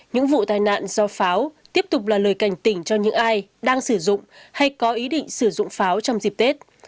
những vụ tai nạn do pháo tiếp tục là lời cảnh tỉnh cho những ai đang sử dụng hay có ý định sử dụng pháo trong dịp tết